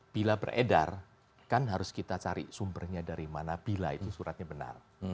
bila beredar kan harus kita cari sumbernya dari mana bila itu suratnya benar